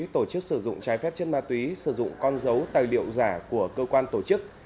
tổ chức sử dụng trái phép chất ma túy sử dụng con dấu tài liệu giả của cơ quan tổ chức